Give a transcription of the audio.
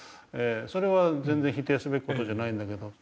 それは全然否定すべき事じゃないんだけど。